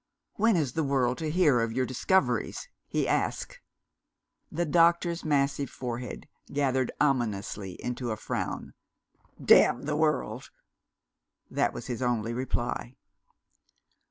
"When is the world to hear of your discoveries?" he asked. The doctor's massive forehead gathered ominously into a frown, "Damn the world!" That was his only reply.